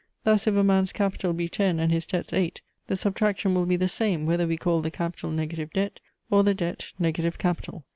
Thus if a man's capital be ten and his debts eight, the subtraction will be the same, whether we call the capital negative debt, or the debt negative capital.